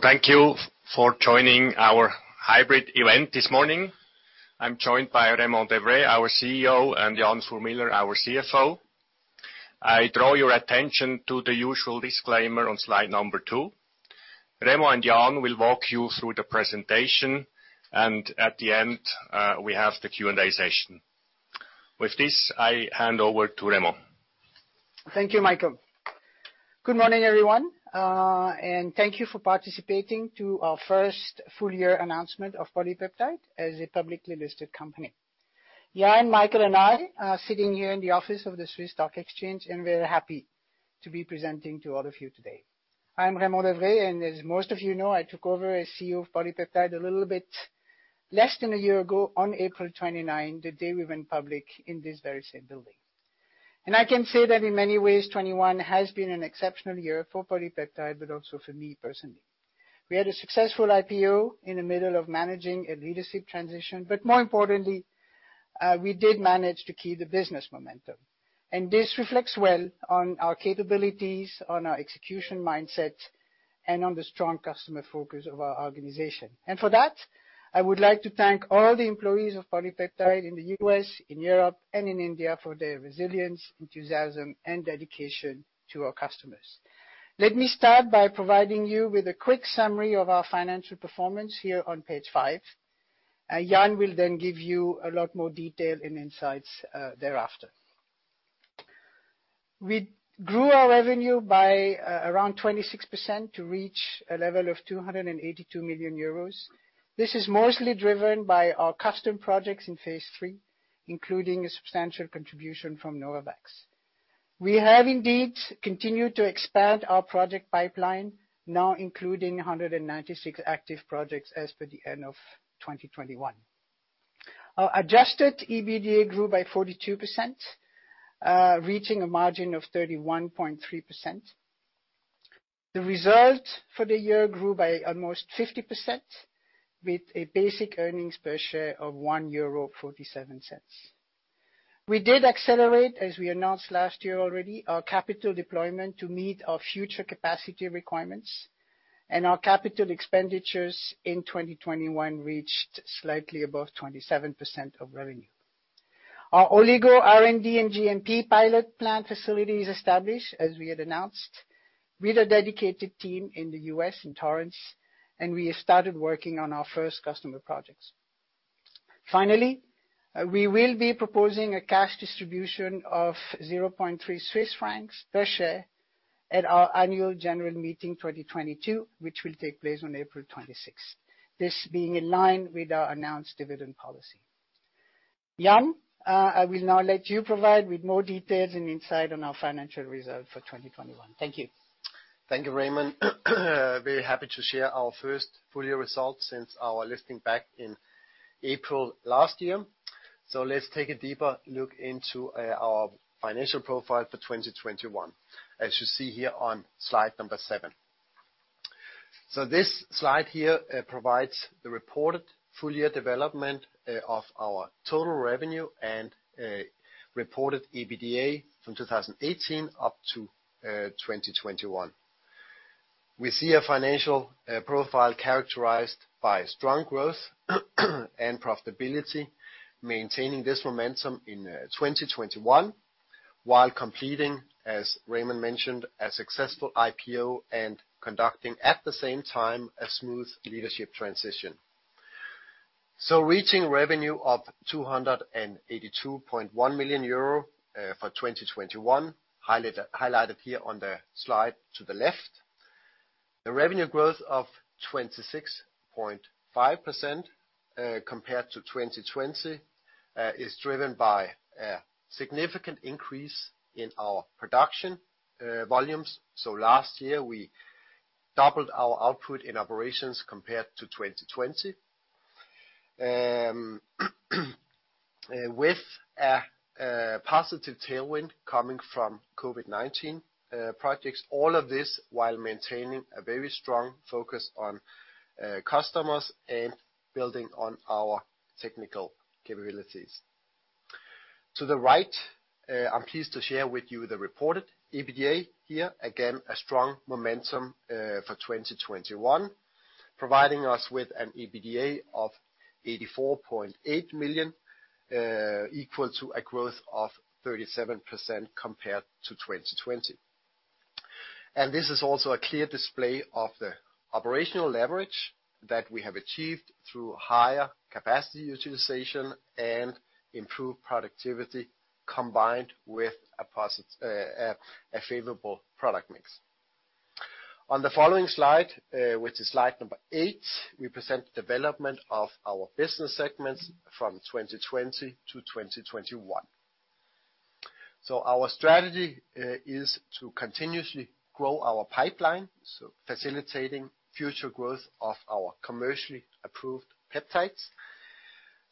Thank you for joining our hybrid event this morning. I'm joined by Raymond De Vré, our CEO, and Jan Fuhr Miller, our CFO. I draw your attention to the usual disclaimer on slide number two. Raymond and Jan will walk you through the presentation, and at the end, we have the Q&A session. With this, I hand over to Raymond. Thank you, Michael. Good morning, everyone. And thank you for participating to our first full year announcement of PolyPeptide as a publicly listed company. Jan, Michael, and I are sitting here in the office of the SIX Swiss Exchange, and we're happy to be presenting to all of you today. I'm Raymond De Vré, and as most of you know, I took over as CEO of PolyPeptide a little bit less than a year ago on April 29, the day we went public in this very same building. I can say that in many ways, 2021 has been an exceptional year for PolyPeptide, but also for me personally. We had a successful IPO in the middle of managing a leadership transition, but more importantly, we did manage to keep the business momentum. This reflects well on our capabilities, on our execution mindset, and on the strong customer focus of our organization. For that, I would like to thank all the employees of PolyPeptide in the U.S., in Europe, and in India for their resilience, enthusiasm, and dedication to our customers. Let me start by providing you with a quick summary of our financial performance here on page five. Jan will then give you a lot more detail and insights thereafter. We grew our revenue by around 26% to reach a level of 282 million euros. This is mostly driven by our custom projects in phase III, including a substantial contribution from Novavax. We have indeed continued to expand our project pipeline, now including 196 active projects as per the end of 2021. Our adjusted EBITDA grew by 42%, reaching a margin of 31.3%. The result for the year grew by almost 50%, with a basic earnings per share of 1.47 euro. We did accelerate, as we announced last year already, our capital deployment to meet our future capacity requirements, and our capital expenditures in 2021 reached slightly above 27% of revenue. Our Oligo R&D and GMP pilot plant facility is established, as we had announced, with a dedicated team in the U.S. in Torrance, and we have started working on our first customer projects. Finally, we will be proposing a cash distribution of 0.3 Swiss francs per share at our annual general meeting 2022, which will take place on April 26. This being in line with our announced dividend policy. Jan, I will now let you provide with more details and insight on our financial results for 2021. Thank you. Thank you, Raymond. Very happy to share our first full year results since our listing back in April last year. Let's take a deeper look into our financial profile for 2021, as you see here on slide number seven. This slide here provides the reported full year development of our total revenue and reported EBITDA from 2018 up to 2021. We see a financial profile characterized by strong growth and profitability, maintaining this momentum in 2021 while completing, as Raymond mentioned, a successful IPO and conducting, at the same time, a smooth leadership transition. Reaching revenue of 282.1 million euro for 2021, highlighted here on the slide to the left. The revenue growth of 26.5%, compared to 2020, is driven by a significant increase in our production volumes. Last year we doubled our output in operations compared to 2020. With a positive tailwind coming from COVID-19 projects, all of this while maintaining a very strong focus on customers and building on our technical capabilities. To the right, I'm pleased to share with you the reported EBITDA here. Again, a strong momentum for 2021, providing us with an EBITDA of 84.8 million, equal to a growth of 37% compared to 2020. This is also a clear display of the operational leverage that we have achieved through higher capacity utilization and improved productivity combined with a favorable product mix. On the following slide, which is slide number eight, we present the development of our business segments from 2020 to 2021. Our strategy is to continuously grow our pipeline, facilitating future growth of our commercially approved peptides.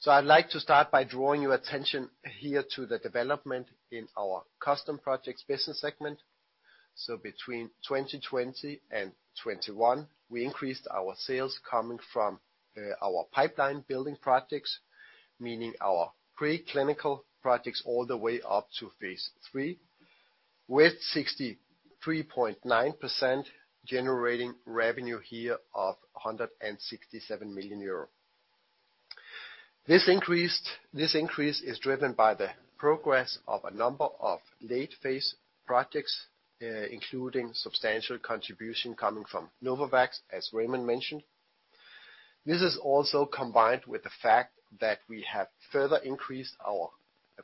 I'd like to start by drawing your attention here to the development in our custom projects business segment. Between 2020 and 2021, we increased our sales coming from our pipeline building projects, meaning our preclinical projects all the way up to phase III, with 63.9% generating revenue here of 167 million euro. This increase is driven by the progress of a number of late-phase projects, including substantial contribution coming from Novavax, as Raymond mentioned. This is also combined with the fact that we have further increased our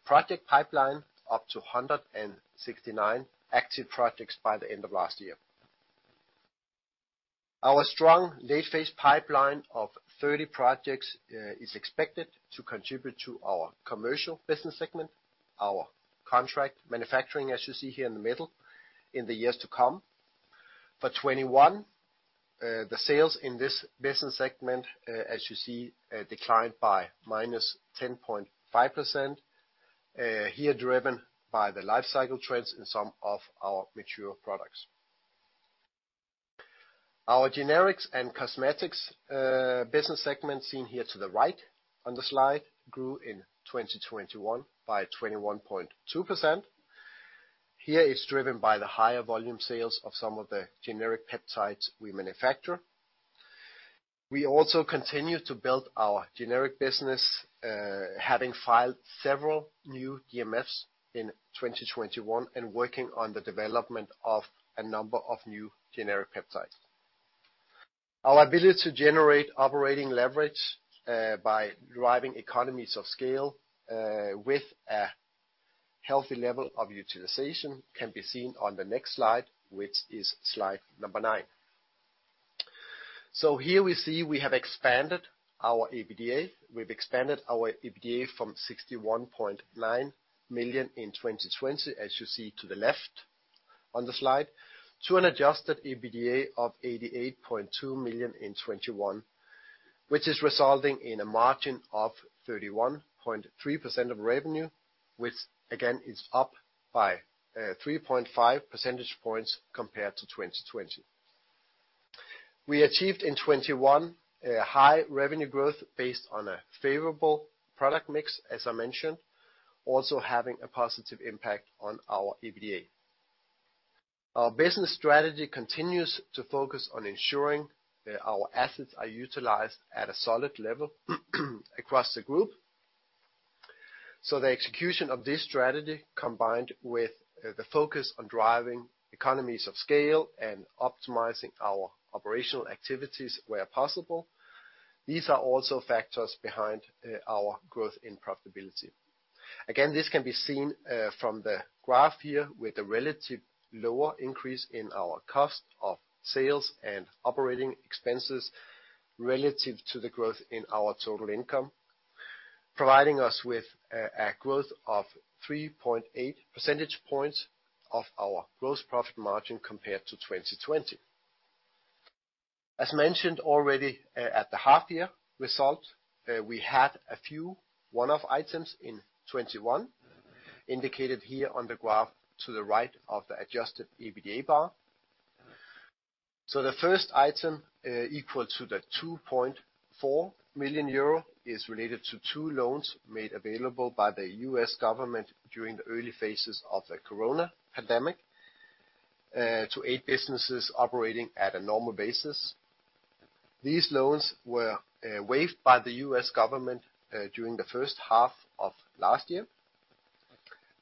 project pipeline up to 169 active projects by the end of last year. Our strong late-phase pipeline of 30 projects is expected to contribute to our commercial business segment, our contract manufacturing, as you see here in the middle, in the years to come. For 2021, the sales in this business segment, as you see, declined by -10.5%, here driven by the life cycle trends in some of our mature products. Our generics and cosmetics business segment seen here to the right on the slide grew in 2021 by 21.2%. Here it's driven by the higher volume sales of some of the generic peptides we manufacture. We also continue to build our generic business, having filed several new DMFs in 2021, and working on the development of a number of new generic peptides. Our ability to generate operating leverage, by driving economies of scale, with a healthy level of utilization can be seen on the next slide, which is slide number nine. Here we see we have expanded our EBITDA from 61.9 million in 2020, as you see to the left on the slide, to an adjusted EBITDA of 88.2 million in 2021, which is resulting in a margin of 31.3% of revenue, which again is up by 3.5 percentage points compared to 2020. We achieved in 2021 a high revenue growth based on a favorable product mix, as I mentioned, also having a positive impact on our EBITDA. Our business strategy continues to focus on ensuring that our assets are utilized at a solid level across the group. The execution of this strategy, combined with the focus on driving economies of scale and optimizing our operational activities where possible, these are also factors behind our growth in profitability. Again, this can be seen from the graph here with a relative lower increase in our cost of sales and operating expenses relative to the growth in our total income, providing us with a growth of 3.8 percentage points of our gross profit margin compared to 2020. As mentioned already, at the half year result, we had a few one-off items in 2021, indicated here on the graph to the right of the adjusted EBITDA bar. The first item equal to 2.4 million euro is related to two loans made available by the U.S. government during the early phases of the corona pandemic, to aid businesses operating at a normal basis. These loans were waived by the U.S. government during the first half of last year.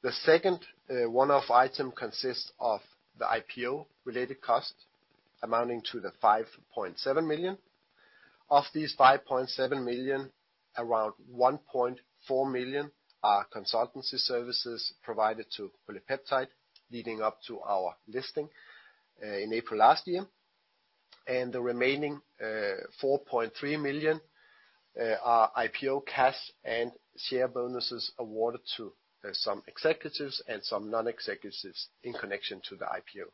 The second one-off item consists of the IPO-related cost amounting to 5.7 million. Of these 5.7 million, around 1.4 million are consultancy services provided to PolyPeptide leading up to our listing in April last year. The remaining 4.3 million are IPO cash and share bonuses awarded to some executives and some non-executives in connection to the IPO.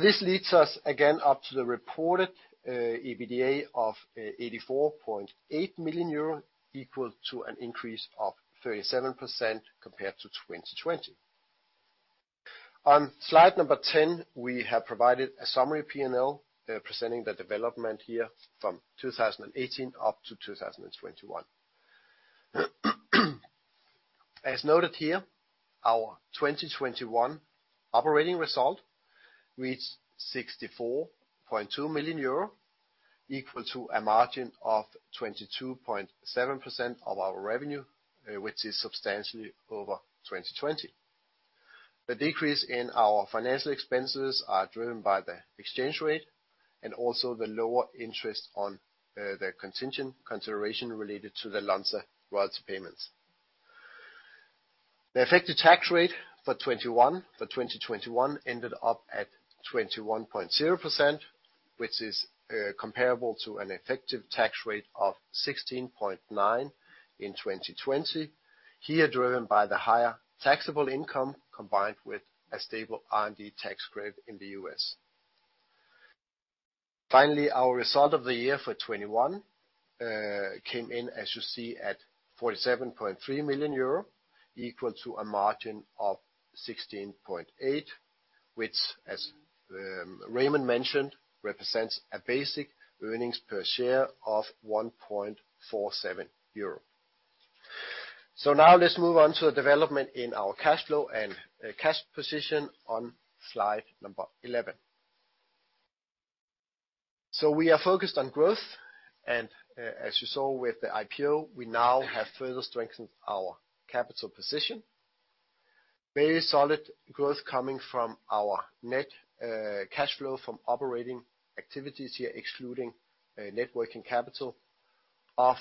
This leads us again up to the reported EBITDA of 84.8 million euro, equal to an increase of 37% compared to 2020. On slide number 10, we have provided a summary P&L presenting the development here from 2018 up to 2021. As noted here, our 2021 operating result reached 64.2 million euro, equal to a margin of 22.7% of our revenue, which is substantially over 2020. The decrease in our financial expenses are driven by the exchange rate and also the lower interest on the contingent consideration related to the Lonza royalty payments. The effective tax rate for 2021 ended up at 21.0%, which is comparable to an effective tax rate of 16.9% in 2020, driven by the higher taxable income combined with a stable R&D tax credit in the U.S. Finally, our result of the year for 2021 came in, as you see, at 47.3 million euro, equal to a margin of 16.8%, which, as Raymond mentioned, represents a basic earnings per share of 1.47 euro. Now let's move on to the development in our cash flow and cash position on slide 11. We are focused on growth and, as you saw with the IPO, we now have further strengthened our capital position. Very solid growth coming from our net cash flow from operating activities here, excluding net working capital of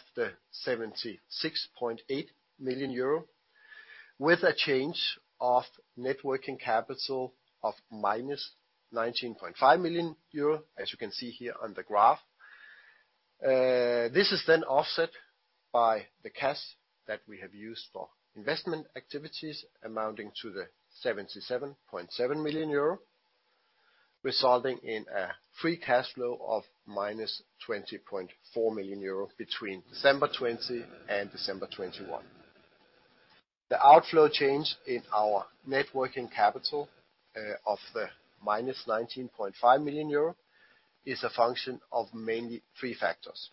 76.8 million euro, with a change of net working capital of -19.5 million euro, as you can see here on the graph. This is then offset by the cash that we have used for investment activities amounting to 77.7 million euro, resulting in a free cash flow of -20.4 million euro between December 2020 and December 2021. The outflow change in our net working capital of -19.5 million euro is a function of mainly three factors.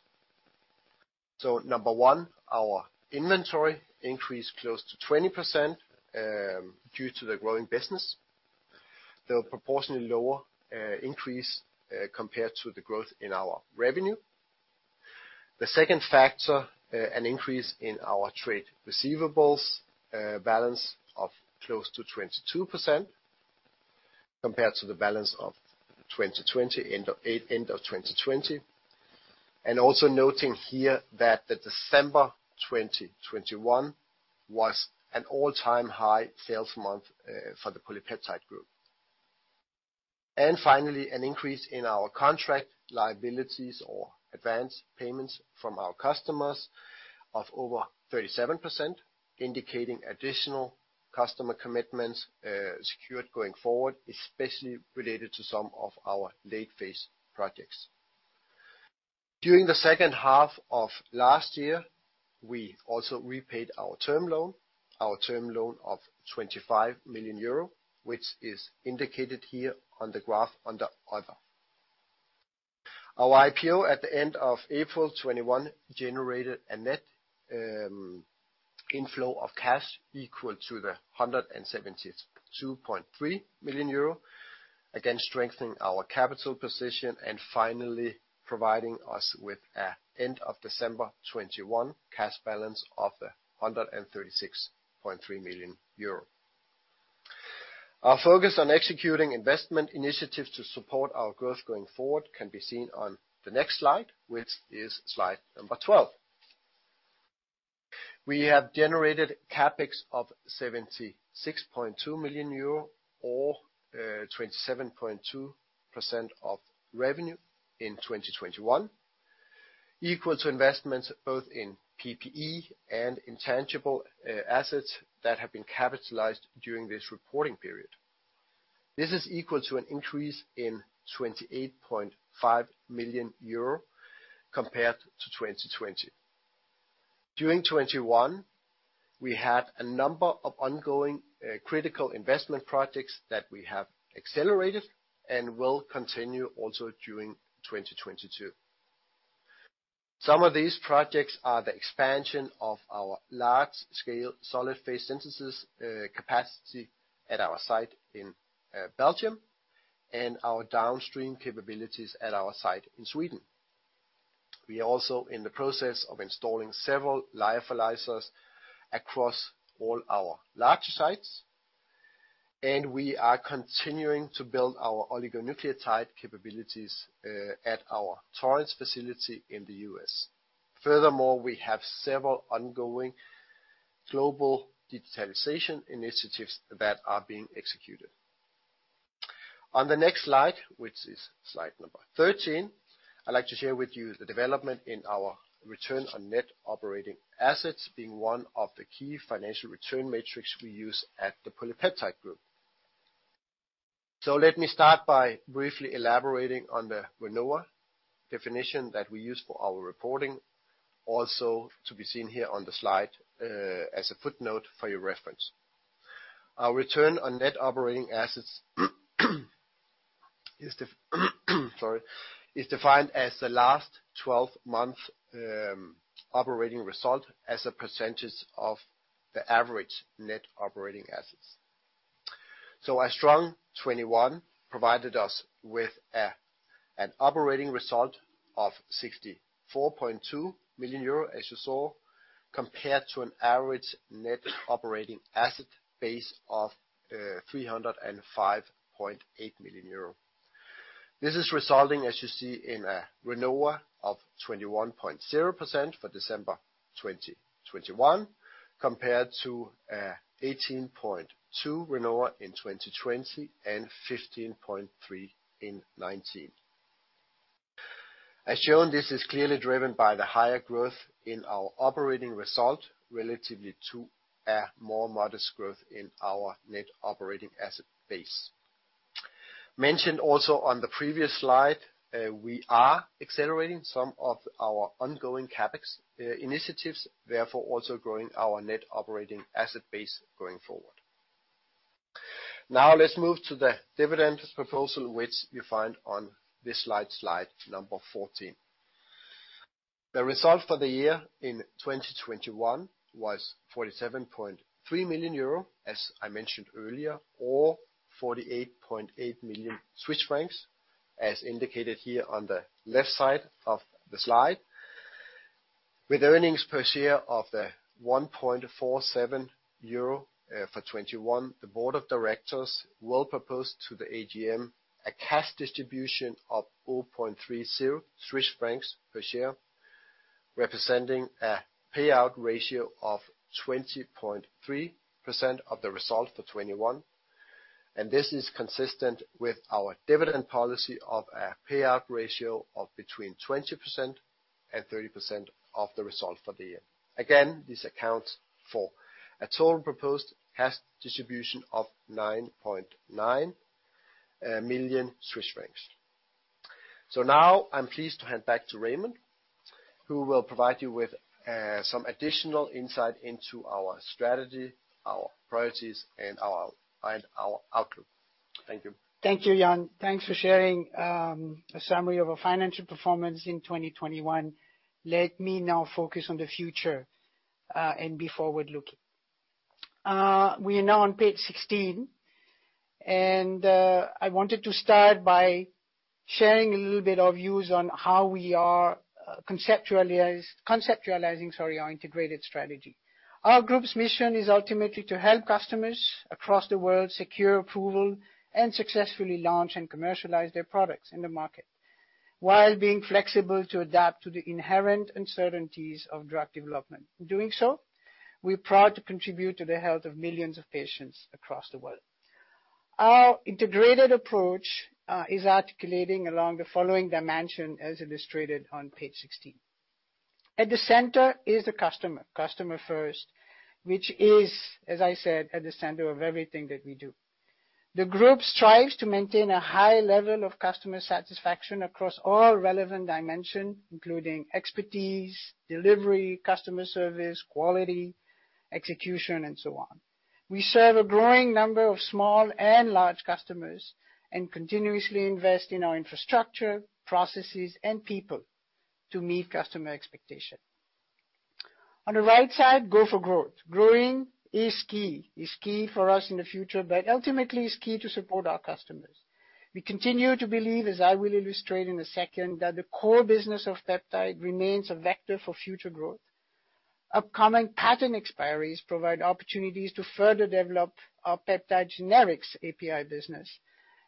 Number one, our inventory increased close to 20%, due to the growing business, the proportionally lower increase compared to the growth in our revenue. The second factor, an increase in our trade receivables balance of close to 22% compared to the balance at the end of 2020. Also noting here that December 2021 was an all-time high sales month for the PolyPeptide Group. Finally, an increase in our contract liabilities or advanced payments from our customers of over 37%, indicating additional customer commitments secured going forward, especially related to some of our late phase projects. During the second half of last year, we also repaid our term loan of 25 million euro, which is indicated here on the graph under other. Our IPO at the end of April 2021 generated a net inflow of cash equal to 172.3 million euro, again strengthening our capital position and finally providing us with an end-of-December 2021 cash balance of 136.3 million euro. Our focus on executing investment initiatives to support our growth going forward can be seen on the next slide, which is slide number 12. We have generated CapEx of 76.2 million euro or 27.2% of revenue in 2021 equal to investments both in PPE and intangible assets that have been capitalized during this reporting period. This is equal to an increase in 28.5 million euro compared to 2020. During 2021, we had a number of ongoing, critical investment projects that we have accelerated and will continue also during 2022. Some of these projects are the expansion of our large-scale solid phase synthesis capacity at our site in Belgium and our downstream capabilities at our site in Sweden. We are also in the process of installing several lyophilizers across all our larger sites, and we are continuing to build our oligonucleotide capabilities at our Torrance facility in the U.S. Furthermore, we have several ongoing global digitalization initiatives that are being executed. On the next slide, which is slide number 13, I'd like to share with you the development in our return on net operating assets being one of the key financial return metrics we use at the PolyPeptide Group. Let me start by briefly elaborating on the RNOA definition that we use for our reporting, also to be seen here on the slide, as a footnote for your reference. Our return on net operating assets is defined as the last twelve-month operating result as a percentage of the average net operating assets. A strong 2021 provided us with an operating result of 64.2 million euro, as you saw, compared to an average net operating asset base of 305.8 million euro. This is resulting, as you see, in a RNOA of 21.0% for December 2021, compared to 18.2% RNOA in 2020 and 15.3% in 2019. As shown, this is clearly driven by the higher growth in our operating result relatively to a more modest growth in our net operating asset base. Mentioned also on the previous slide, we are accelerating some of our ongoing CapEx initiatives, therefore also growing our net operating asset base going forward. Now let's move to the dividend proposal, which you find on this slide number 14. The result for the year in 2021 was 47.3 million euro, as I mentioned earlier, or 48.8 million Swiss francs, as indicated here on the left side of the slide. With earnings per share of 1.47 euro for 2021, the board of directors will propose to the AGM a cash distribution of 4.30 Swiss francs per share, representing a payout ratio of 20.3% of the result for 2021. This is consistent with our dividend policy of a payout ratio of between 20% and 30% of the result for the year. Again, this accounts for a total proposed cash distribution of 9.9 million Swiss francs. Now I'm pleased to hand back to Raymond, who will provide you with some additional insight into our strategy, our priorities, and our outlook. Thank you. Thank you, Jan. Thanks for sharing a summary of our financial performance in 2021. Let me now focus on the future and be forward-looking. We are now on page 16, and I wanted to start by sharing a little bit of views on how we are conceptualizing our integrated strategy. Our group's mission is ultimately to help customers across the world secure approval and successfully launch and commercialize their products in the market while being flexible to adapt to the inherent uncertainties of drug development. In doing so, we're proud to contribute to the health of millions of patients across the world. Our integrated approach is articulating along the following dimension, as illustrated on page 16. At the center is the customer first, which is, as I said, at the center of everything that we do. The group strives to maintain a high level of customer satisfaction across all relevant dimensions, including expertise, delivery, customer service, quality, execution, and so on. We serve a growing number of small and large customers and continuously invest in our infrastructure, processes, and people to meet customer expectations. On the right side, go for growth. Growing is key for us in the future, but ultimately is key to support our customers. We continue to believe, as I will illustrate in a second, that the core business of peptide remains a vector for future growth. Upcoming patent expiries provide opportunities to further develop our peptide generics API business.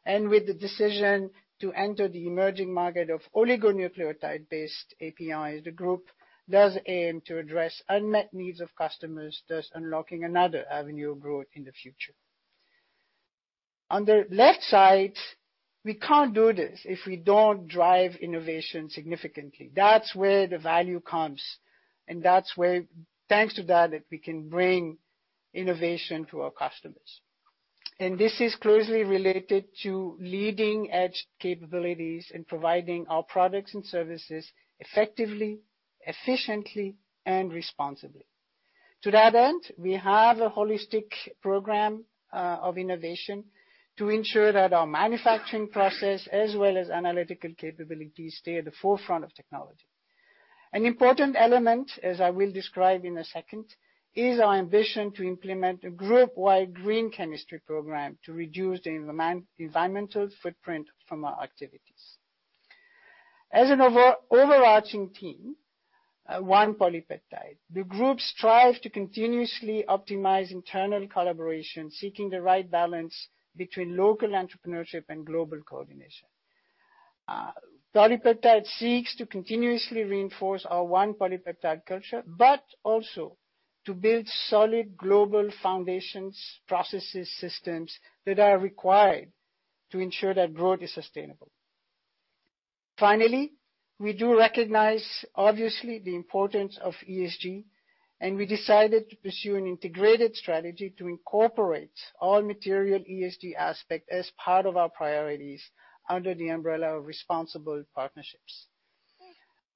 With the decision to enter the emerging market of oligonucleotide-based APIs, the group does aim to address unmet needs of customers, thus unlocking another avenue of growth in the future. On the left side, we can't do this if we don't drive innovation significantly. That's where the value comes, and that's where thanks to that, we can bring innovation to our customers. This is closely related to leading-edge capabilities in providing our products and services effectively, efficiently, and responsibly. To that end, we have a holistic program of innovation to ensure that our manufacturing process as well as analytical capabilities stay at the forefront of technology. An important element, as I will describe in a second, is our ambition to implement a group-wide green chemistry program to reduce the environmental footprint from our activities. As an overarching team at PolyPeptide, the group strives to continuously optimize internal collaboration, seeking the right balance between local entrepreneurship and global coordination. PolyPeptide seeks to continuously reinforce our one PolyPeptide culture, but also to build solid global foundations, processes, systems that are required to ensure that growth is sustainable. Finally, we do recognize, obviously, the importance of ESG, and we decided to pursue an integrated strategy to incorporate all material ESG aspect as part of our priorities under the umbrella of responsible partnerships.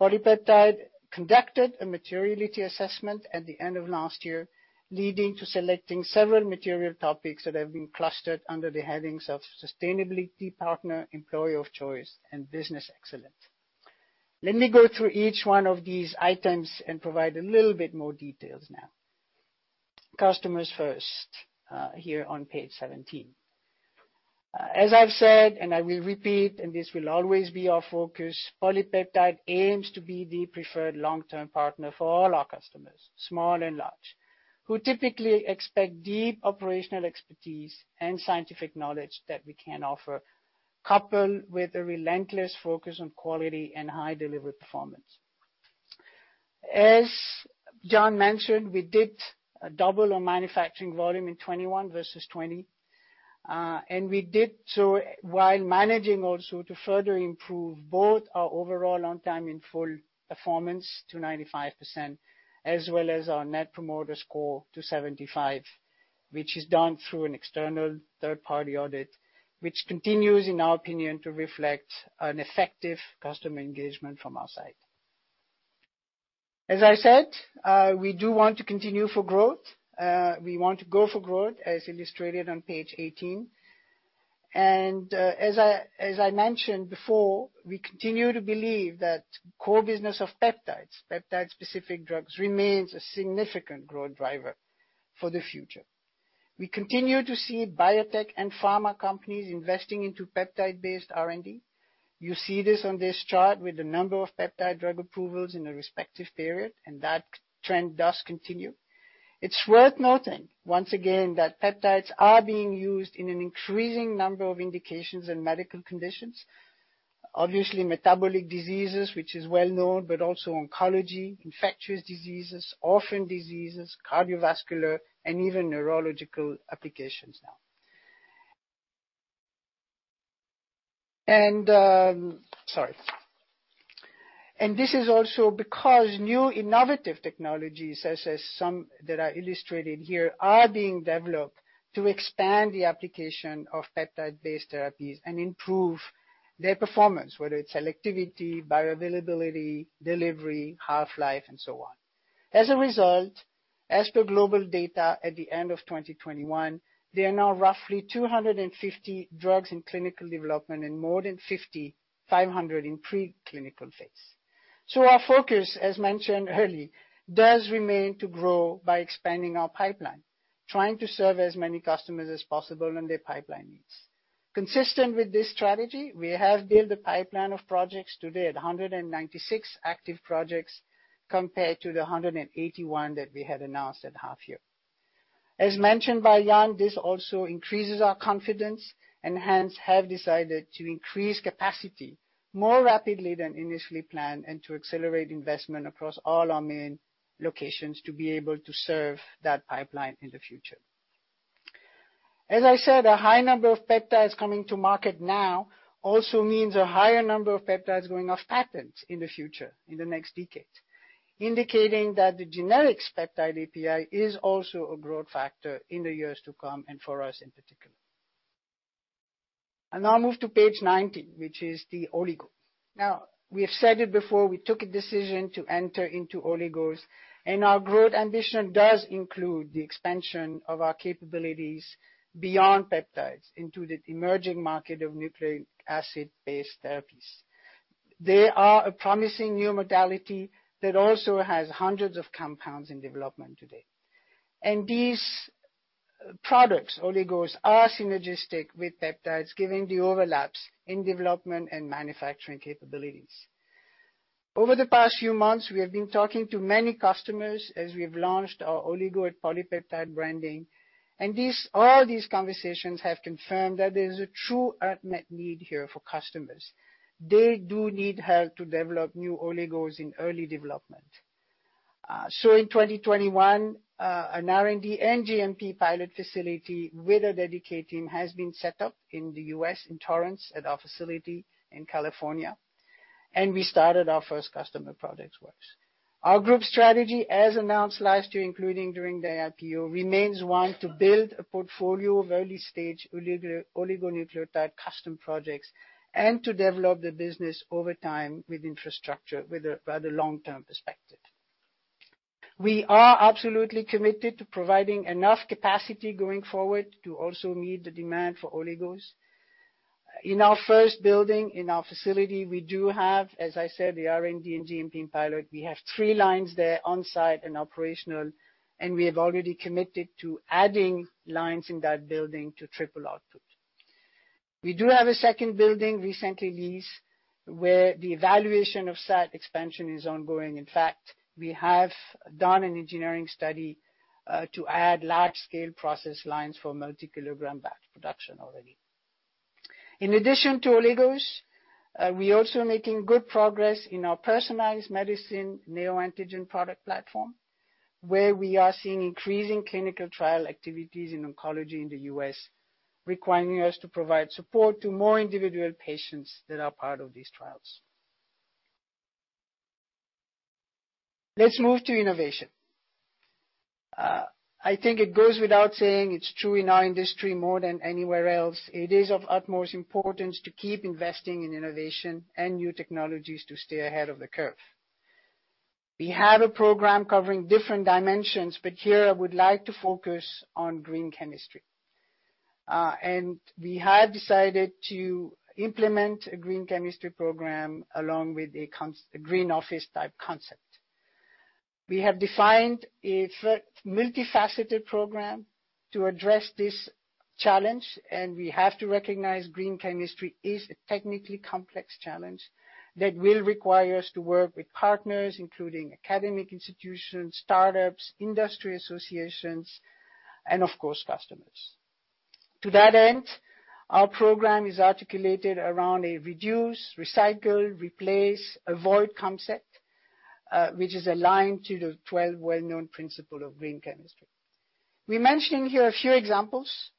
PolyPeptide conducted a materiality assessment at the end of last year, leading to selecting several material topics that have been clustered under the headings of sustainability, partner, employee of choice, and business excellence. Let me go through each one of these items and provide a little bit more details now. Customers first, here on page 17. As I've said, and I will repeat, and this will always be our focus, PolyPeptide aims to be the preferred long-term partner for all our customers, small and large, who typically expect deep operational expertise and scientific knowledge that we can offer, coupled with a relentless focus on quality and high delivery performance. As Jan mentioned, we did double our manufacturing volume in 2021 versus 2020, and we did so while managing also to further improve both our overall on time in full performance to 95% as well as our net promoter score to 75, which is done through an external third-party audit, which continues, in our opinion, to reflect an effective customer engagement from our side. As I said, we do want to continue for growth. We want to go for growth, as illustrated on page 18. As I mentioned before, we continue to believe that core business of peptides, peptide-specific drugs remains a significant growth driver for the future. We continue to see biotech and pharma companies investing into peptide-based R&D. You see this on this chart with the number of peptide drug approvals in the respective period, and that trend does continue. It's worth noting, once again, that peptides are being used in an increasing number of indications and medical conditions. Obviously, metabolic diseases, which is well known, but also oncology, infectious diseases, orphan diseases, cardiovascular, and even neurological applications now. This is also because new innovative technologies, such as some that are illustrated here, are being developed to expand the application of peptide-based therapies and improve their performance, whether it's selectivity, bioavailability, delivery, half-life, and so on. As a result, as per global data at the end of 2021, there are now roughly 250 drugs in clinical development and more than 5,500 in pre-clinical phase. Our focus, as mentioned early, does remain to grow by expanding our pipeline, trying to serve as many customers as possible and their pipeline needs. Consistent with this strategy, we have built a pipeline of projects today at 196 active projects compared to the 181 that we had announced at half year. As mentioned by Jan, this also increases our confidence and hence have decided to increase capacity more rapidly than initially planned and to accelerate investment across all our main locations to be able to serve that pipeline in the future. As I said, a high number of peptides coming to market now also means a higher number of peptides going off patent in the future, in the next decade, indicating that the generics peptide API is also a growth factor in the years to come and for us in particular. I now move to page 19, which is the Oligos. Now, we have said it before, we took a decision to enter into Oligos, and our growth ambition does include the expansion of our capabilities beyond peptides into the emerging market of nucleic acid-based therapies. They are a promising new modality that also has hundreds of compounds in development today. These products, Oligos, are synergistic with peptides, giving the overlaps in development and manufacturing capabilities. Over the past few months, we have been talking to many customers as we've launched our Oligo and polypeptide branding, and these... All these conversations have confirmed that there is a true unmet need here for customers. They do need help to develop new Oligos in early development. In 2021, an R&D and GMP pilot facility with a dedicated team has been set up in the U.S. in Torrance at our facility in California, and we started our first customer projects. Our group strategy, as announced last year, including during the IPO, remains one to build a portfolio of early-stage oligonucleotide custom projects and to develop the business over time with infrastructure with a long-term perspective. We are absolutely committed to providing enough capacity going forward to also meet the demand for Oligos. In our first building, in our facility, we do have, as I said, the R&D and GMP pilot. We have three lines there on-site and operational, and we have already committed to adding lines in that building to triple output. We do have a second building, recently leased, where the evaluation of site expansion is ongoing. In fact, we have done an engineering study to add large-scale process lines for multi-kilogram batch production already. In addition to Oligos, we're also making good progress in our personalized medicine neoantigen product platform, where we are seeing increasing clinical trial activities in oncology in the U.S., requiring us to provide support to more individual patients that are part of these trials. Let's move to innovation. I think it goes without saying it's true in our industry more than anywhere else. It is of utmost importance to keep investing in innovation and new technologies to stay ahead of the curve. We have a program covering different dimensions, but here I would like to focus on green chemistry. We have decided to implement a green chemistry program along with a green office-type concept. We have defined a multifaceted program to address this challenge, and we have to recognize green chemistry is a technically complex challenge that will require us to work with partners, including academic institutions, startups, industry associations, and of course, customers. To that end, our program is articulated around a reduce, recycle, replace, avoid concept, which is aligned to the 12 well-known principle of green chemistry. We're mentioning here a few examples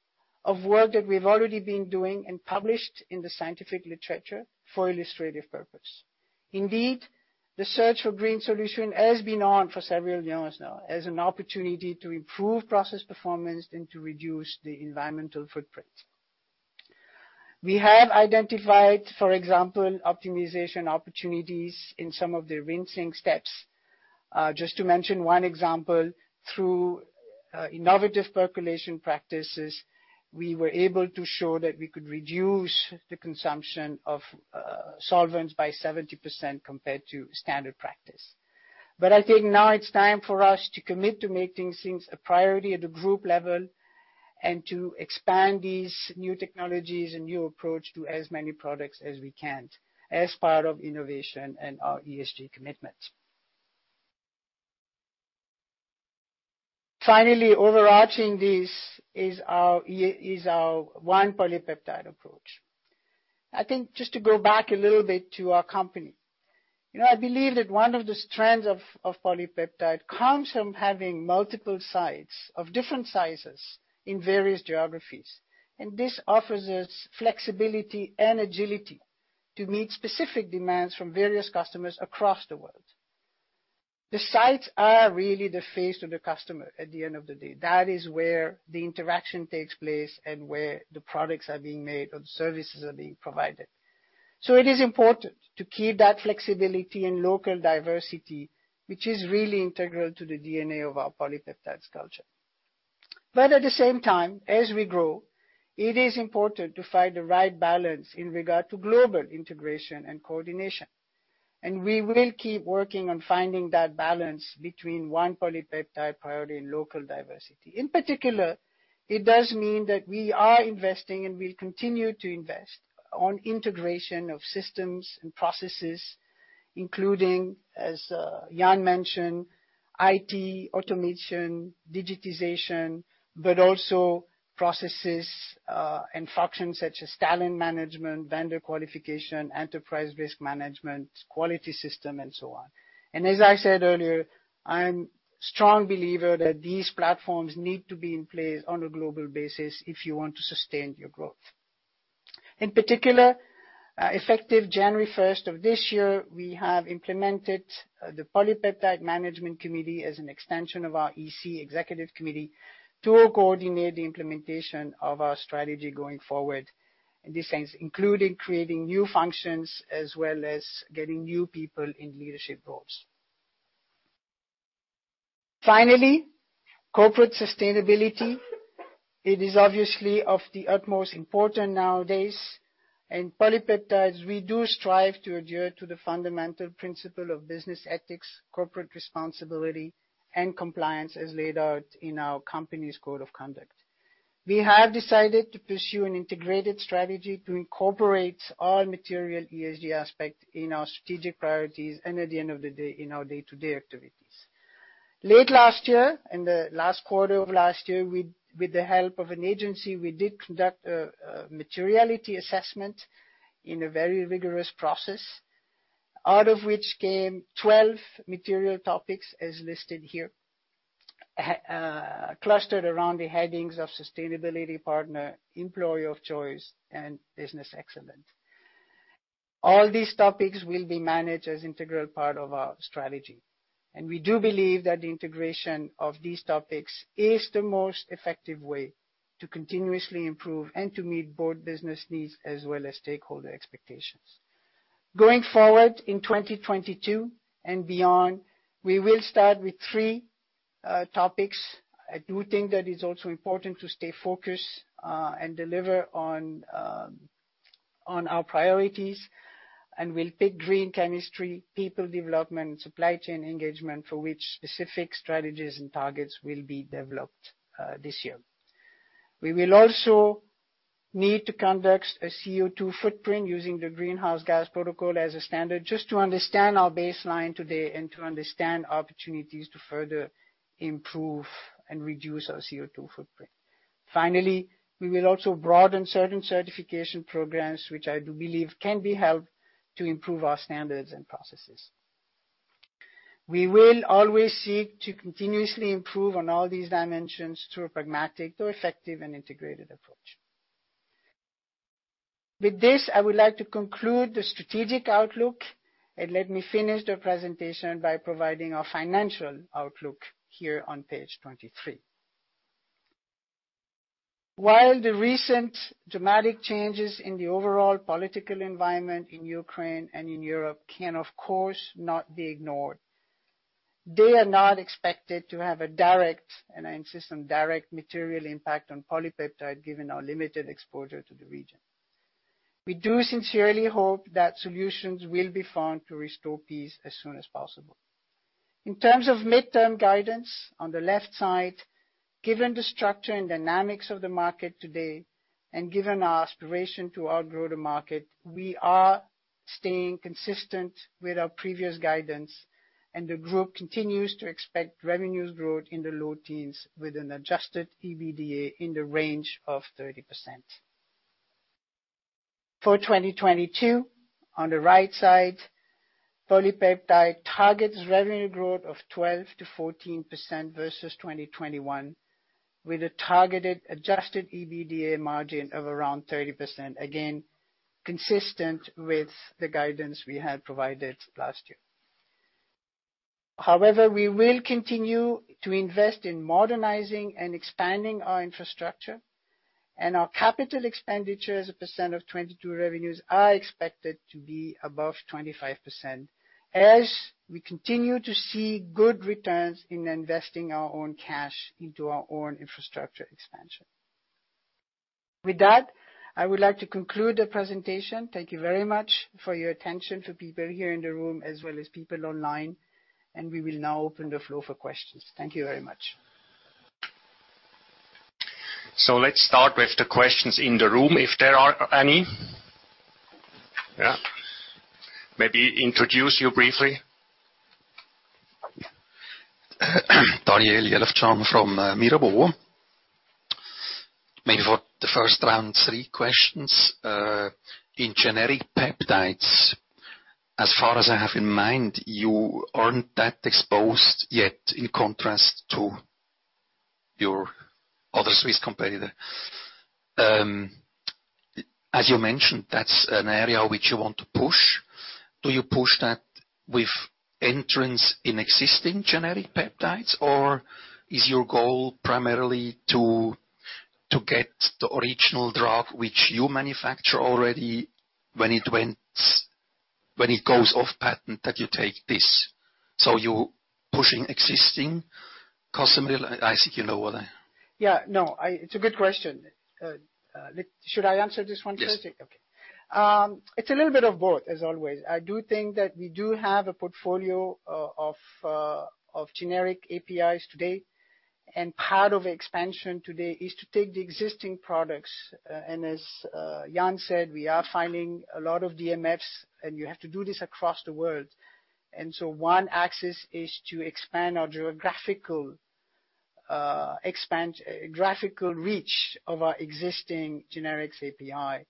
of work that we've already been doing and published in the scientific literature for illustrative purpose. Indeed, the search for green solutions has been on for several years now as an opportunity to improve process performance and to reduce the environmental footprint. We have identified, for example, optimization opportunities in some of the rinsing steps. Just to mention one example, through innovative percolation practices, we were able to show that we could reduce the consumption of solvents by 70% compared to standard practice. I think now it's time for us to commit to making things a priority at the group level, and to expand these new technologies and new approach to as many products as we can as part of innovation and our ESG commitment. Finally, overarching this is our One PolyPeptide approach. I think just to go back a little bit to our company, you know, I believe that one of the strengths of PolyPeptide comes from having multiple sites of different sizes in various geographies, and this offers us flexibility and agility to meet specific demands from various customers across the world. The sites are really the face of the customer at the end of the day. That is where the interaction takes place and where the products are being made or the services are being provided. It is important to keep that flexibility and local diversity, which is really integral to the DNA of our PolyPeptide's culture. At the same time, as we grow, it is important to find the right balance in regard to global integration and coordination. We will keep working on finding that balance between one PolyPeptide priority and local diversity. In particular, it does mean that we are investing and will continue to invest in integration of systems and processes, including, as Jan mentioned, IT, automation, digitization, but also processes and functions such as talent management, vendor qualification, enterprise risk management, quality system, and so on. As I said earlier, I'm a strong believer that these platforms need to be in place on a global basis if you want to sustain your growth. In particular, effective January first of this year, we have implemented the PolyPeptide management committee as an extension of our Executive Committee to coordinate the implementation of our strategy going forward in this sense, including creating new functions as well as getting new people in leadership roles. Finally, corporate sustainability is obviously of the utmost importance nowadays. In PolyPeptide, we do strive to adhere to the fundamental principle of business ethics, corporate responsibility, and compliance as laid out in our company's code of conduct. We have decided to pursue an integrated strategy to incorporate all material ESG aspect in our strategic priorities and at the end of the day, in our day-to-day activities. Late last year, in the last quarter of last year, with the help of an agency, we did conduct a materiality assessment in a very rigorous process, out of which came 12 material topics as listed here, clustered around the headings of sustainability partner, employee of choice, and business excellence. All these topics will be managed as integral part of our strategy, and we do believe that the integration of these topics is the most effective way to continuously improve and to meet both business needs as well as stakeholder expectations. Going forward in 2022 and beyond, we will start with three topics. I do think that it's also important to stay focused and deliver on our priorities, and we'll pick green chemistry, people development, and supply chain engagement, for which specific strategies and targets will be developed this year. We will also need to conduct a CO2 footprint using the Greenhouse Gas Protocol as a standard just to understand our baseline today and to understand opportunities to further improve and reduce our CO2 footprint. Finally, we will also broaden certain certification programs which I do believe can be helped to improve our standards and processes. We will always seek to continuously improve on all these dimensions through a pragmatic or effective and integrated approach. With this, I would like to conclude the strategic outlook, and let me finish the presentation by providing our financial outlook here on page 23. While the recent dramatic changes in the overall political environment in Ukraine and in Europe can, of course, not be ignored, they are not expected to have a direct, and I insist on direct, material impact on PolyPeptide, given our limited exposure to the region. We do sincerely hope that solutions will be found to restore peace as soon as possible. In terms of midterm guidance, on the left side, given the structure and dynamics of the market today, and given our aspiration to outgrow the market, we are staying consistent with our previous guidance, and the group continues to expect revenue growth in the low teens with an adjusted EBITDA in the range of 30%. For 2022, on the right side, PolyPeptide targets revenue growth of 12%-14% versus 2021, with a targeted adjusted EBITDA margin of around 30%, again, consistent with the guidance we had provided last year. However, we will continue to invest in modernizing and expanding our infrastructure, and our capital expenditures as a percent of 2022 revenues are expected to be above 25% as we continue to see good returns in investing our own cash into our own infrastructure expansion. With that, I would like to conclude the presentation. Thank you very much for your attention to people here in the room as well as people online. We will now open the floor for questions. Thank you very much. Let's start with the questions in the room, if there are any. Yeah. Maybe introduce you briefly. Daniel Jelovcan from Mirabaud. Maybe for the first round, three questions. In generic peptides, as far as I have in mind, you aren't that exposed yet in contrast to your other Swiss competitor. As you mentioned, that's an area which you want to push. Do you push that with entrance in existing generic peptides, or is your goal primarily to get the original drug which you manufacture already when it goes off patent that you take this? You pushing existing Cosentyx? I think you know what I. Yeah. No. It's a good question. Should I answer this one first? Yes. It's a little bit of both, as always. I do think that we do have a portfolio of generic APIs today, and part of expansion today is to take the existing products. As Jan said, we are filing a lot of DMFs, and you have to do this across the world. One axis is to expand our geographical reach of our existing generic APIs.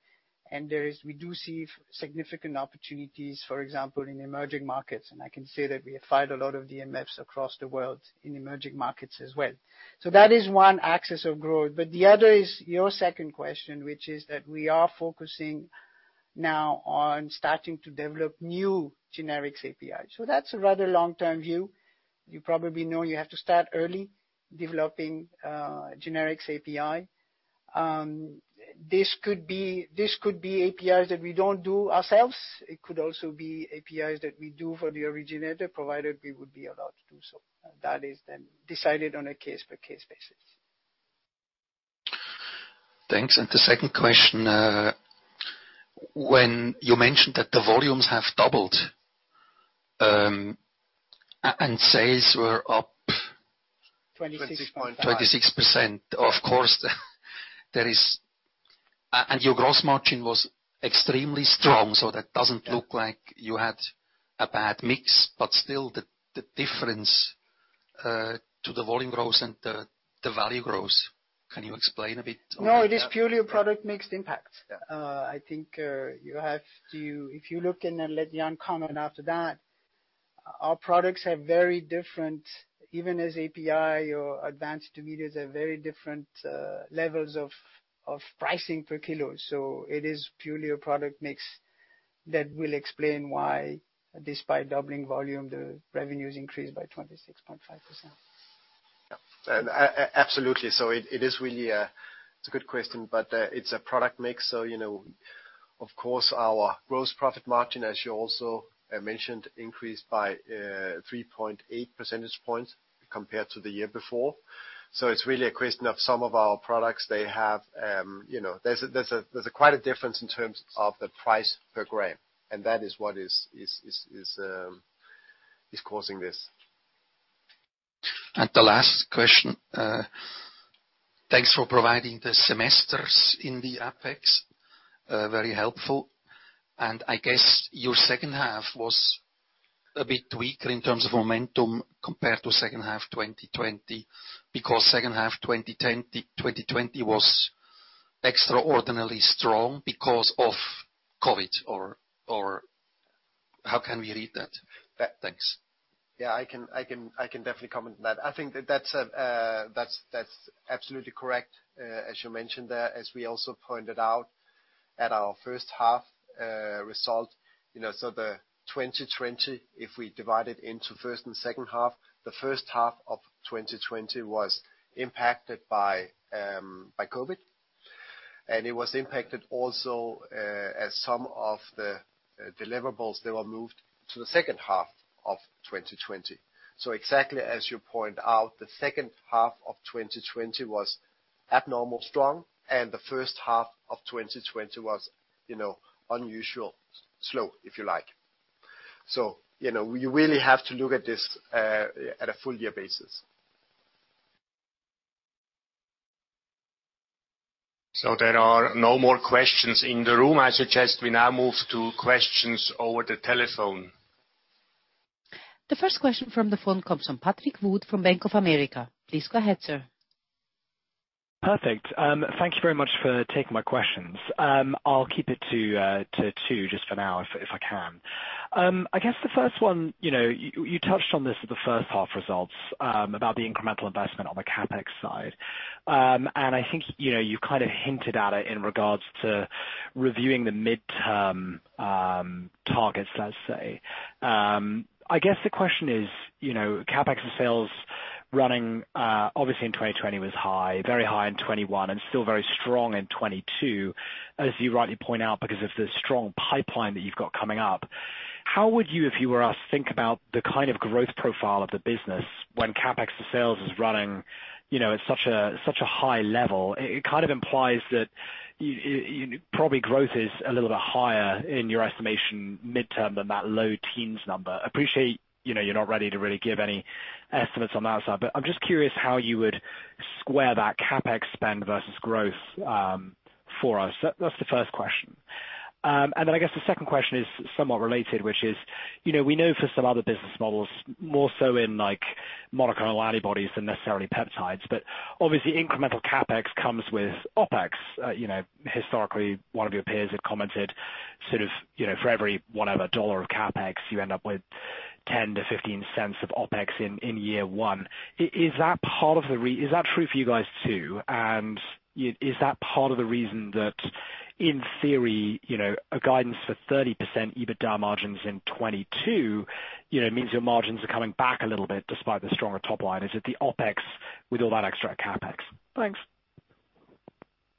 We do see significant opportunities, for example, in emerging markets. I can say that we have filed a lot of DMFs across the world in emerging markets as well. That is one axis of growth. The other is your second question, which is that we are focusing now on starting to develop new generic APIs. That's a rather long-term view. You probably know you have to start early developing generic APIs. This could be APIs that we don't do ourselves. It could also be APIs that we do for the originator, provided we would be allowed to do so. That is then decided on a case-by-case basis. Thanks. The second question, when you mentioned that the volumes have doubled, and sales were up. 26.5%. 26%. Of course, there is and your gross margin was extremely strong, so that doesn't look like you had a bad mix, but still the difference to the volume growth and the value growth. Can you explain a bit of that? No, it is purely a product mix impact. Yeah. I think if you look and then let Jan comment after that, our products have very different levels. Even as API or advanced intermediates have very different levels of pricing per kilo. It is purely a product mix that will explain why, despite doubling volume, the revenues increased by 26.5%. Absolutely. It is really a good question, but it's a product mix. You know, of course, our gross profit margin, as you also mentioned, increased by 3.8 percentage points compared to the year before. It's really a question of some of our products. They have, you know, quite a difference in terms of the price per gram, and that is what is causing this. The last question, thanks for providing the segments in the appendix. Very helpful. I guess your second half was a bit weaker in terms of momentum compared to second half 2020, because second half 2020 was extraordinarily strong because of COVID or how can we read that? Thanks. Yeah, I can definitely comment on that. I think that's absolutely correct, as you mentioned there, as we also pointed out at our first half result. You know, the 2020, if we divide it into first and second half, the first half of 2020 was impacted by COVID, and it was impacted also, as some of the deliverables that were moved to the second half of 2020. Exactly as you point out, the second half of 2020 was abnormally strong, and the first half of 2020 was, you know, unusually slow, if you like. You know, you really have to look at this at a full year basis. There are no more questions in the room. I suggest we now move to questions over the telephone. The first question from the phone comes from Patrick Wood from Bank of America. Please go ahead, sir. Perfect. Thank you very much for taking my questions. I'll keep it to two just for now if I can. I guess the first one, you know, you touched on this at the first half results, about the incremental investment on the CapEx side. I think, you know, you kind of hinted at it in regards to reviewing the mid-term targets, let's say. I guess the question is, you know, CapEx and sales running obviously in 2020 was high, very high in 2021, and still very strong in 2022, as you rightly point out, because of the strong pipeline that you've got coming up. How would you, if you were us, think about the kind of growth profile of the business when CapEx to sales is running, you know, at such a high level? It kind of implies that you probably growth is a little bit higher in your estimation mid-term than that low teens number. I appreciate, you know, you're not ready to really give any estimates on that side, but I'm just curious how you would square that CapEx spend versus growth, for us. That's the first question. I guess the second question is somewhat related, which is, you know, we know for some other business models, more so in like monoclonal antibodies than necessarily peptides, but obviously incremental CapEx comes with OpEx. You know, historically, one of your peers had commented sort of, you know, for every, whatever dollar of CapEx, you end up with $0.10-$0.15 of OpEx in year one. Is that part of the re-- Is that true for you guys, too? Is that part of the reason that in theory, you know, a guidance for 30% EBITDA margins in 2022, you know, means your margins are coming back a little bit despite the stronger top line. Is it the OpEx with all that extra CapEx? Thanks. Thanks,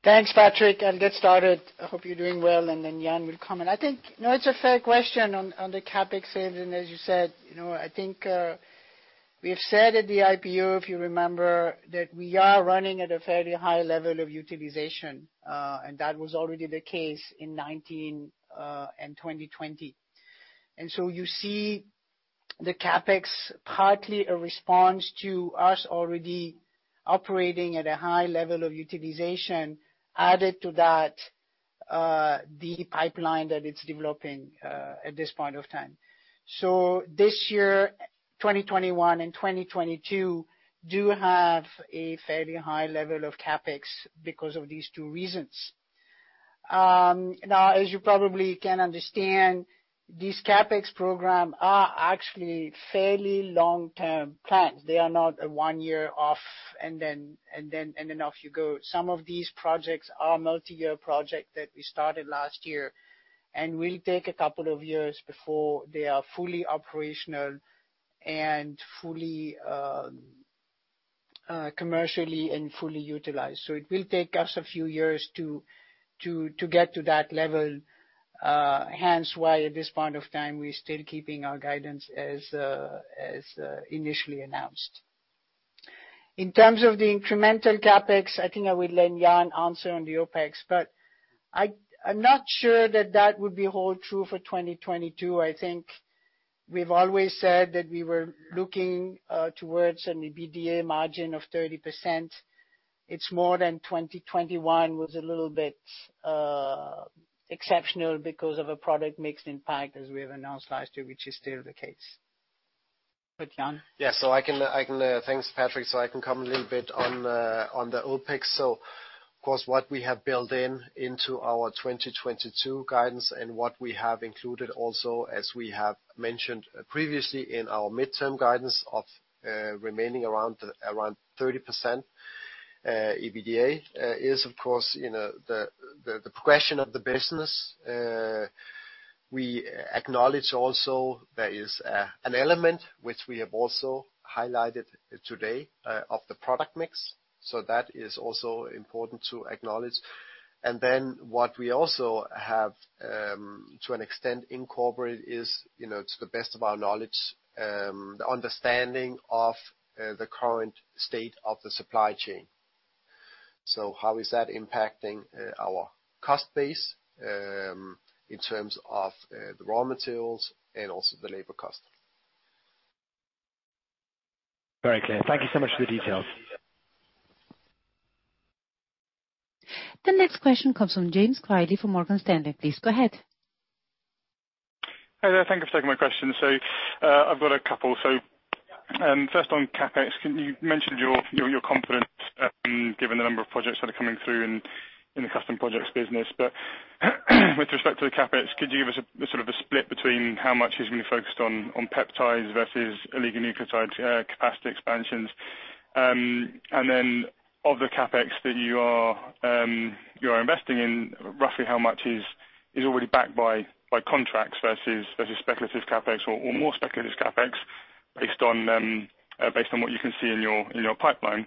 Patrick, and get started. I hope you're doing well, and then Jan will come in. No, it's a fair question on the CapEx. As you said, you know, I think we have said at the IPO, if you remember, that we are running at a fairly high level of utilization, and that was already the case in 2019 and 2020. You see the CapEx partly a response to us already operating at a high level of utilization added to that, the pipeline that it's developing at this point of time. This year, 2021 and 2022 do have a fairly high level of CapEx because of these two reasons. Now as you probably can understand, these CapEx program are actually fairly long-term plans. They are not a one-year off and then off you go. Some of these projects are multi-year project that we started last year and will take a couple of years before they are fully operational and fully commercially and fully utilized. It will take us a few years to get to that level. Hence why at this point of time we're still keeping our guidance as initially announced. In terms of the incremental CapEx, I think I will let Jan answer on the OpEx, but I'm not sure that would hold true for 2022. I think we've always said that we were looking towards an EBITDA margin of 30%. 2021 was more than a little bit exceptional because of a product mix impact as we have announced last year, which is still the case. Jan. Thanks, Patrick. I can comment a little bit on the OpEx. Of course, what we have built into our 2022 guidance and what we have included also, as we have mentioned previously in our midterm guidance of remaining around 30% EBITDA is of course, you know, the progression of the business. We acknowledge also there is an element which we have also highlighted today of the product mix. That is also important to acknowledge. Then what we also have to an extent incorporated is, you know, to the best of our knowledge, the understanding of the current state of the supply chain. How is that impacting our cost base in terms of the raw materials and also the labor cost? Very clear. Thank you so much for the details. The next question comes from James Queeney from Morgan Stanley. Please go ahead. Hi there. Thank you for taking my question. I've got a couple. First on CapEx, can you mention your confidence given the number of projects that are coming through in the custom projects business. With respect to the CapEx, could you give us a sort of a split between how much is being focused on peptides versus oligonucleotide capacity expansions? Of the CapEx that you are investing in, roughly how much is already backed by contracts versus speculative CapEx or more speculative CapEx based on what you can see in your pipeline?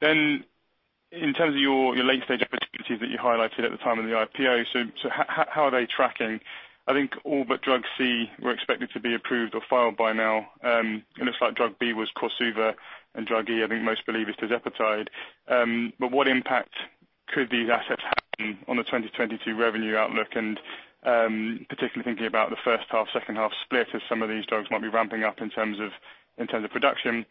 In terms of your late-stage opportunities that you highlighted at the time of the IPO, how are they tracking? I think all but drug C were expected to be approved or filed by now. It looks like drug B was Cagrilintide and drug E, I think most believe is tirzepatide. What impact could these assets have on the 2022 revenue outlook? Particularly thinking about the first half, second half split as some of these drugs might be ramping up in terms of production.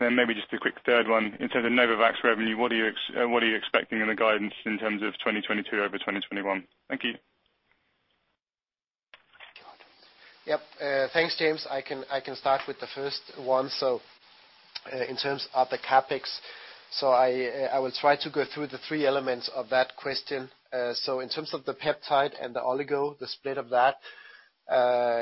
Maybe just a quick third one. In terms of Novavax revenue, what are you expecting in the guidance in terms of 2022 over 2021? Thank you. Yep. Thanks, James. I can start with the first one. In terms of the CapEx, I will try to go through the three elements of that question. In terms of the peptide and the Oligo, the split of that.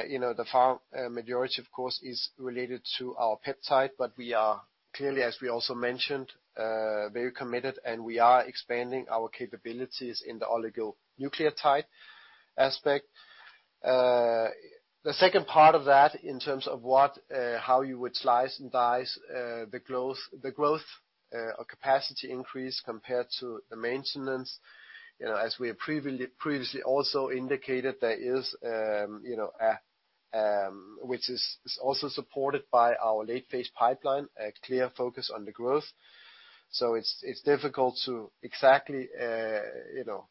You know, the far majority, of course, is related to our peptide, but we are clearly, as we also mentioned, very committed, and we are expanding our capabilities in the oligonucleotide aspect. The second part of that in terms of what how you would slice and dice the growth or capacity increase compared to the maintenance. You know, as we have previously also indicated, there is, you know, which is also supported by our late phase pipeline, a clear focus on the growth. It's difficult to exactly, you know,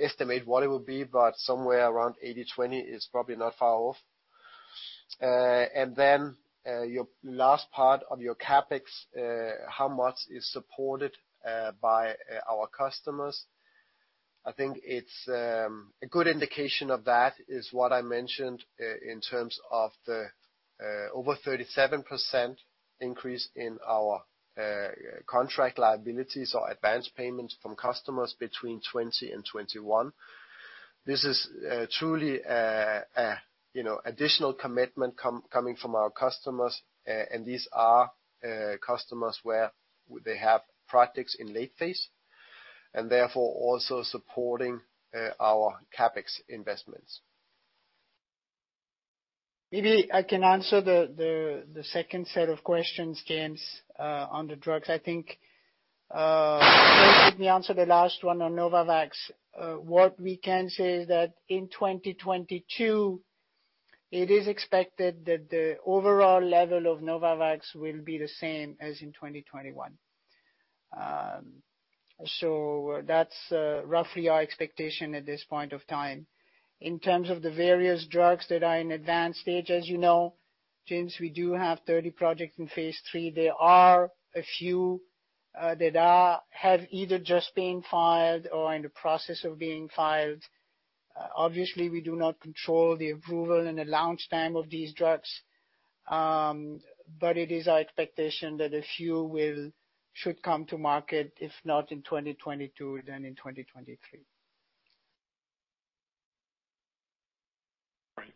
estimate what it would be, but somewhere around 80/20 is probably not far off. Your last part on your CapEx, how much is supported by our customers, I think it's a good indication of that is what I mentioned in terms of the over 37% increase in our contract liabilities or advanced payments from customers between 2020 and 2021. This is truly a you know additional commitment coming from our customers, and these are customers where they have products in late phase, and therefore also supporting our CapEx investments. Maybe I can answer the second set of questions, James, on the drugs. I think, let me answer the last one on Novavax. What we can say is that in 2022, it is expected that the overall level of Novavax will be the same as in 2021. So that's roughly our expectation at this point of time. In terms of the various drugs that are in advanced stages, you know, James, we do have 30 projects in phase III. There are a few that are, have either just been filed or in the process of being filed. Obviously, we do not control the approval and the launch time of these drugs, but it is our expectation that a few should come to market, if not in 2022, then in 2023. Great.